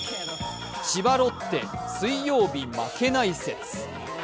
千葉ロッテ水曜日負けない説。